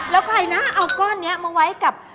แล้วใครนะเอาก้อนนี้มาไว้กับ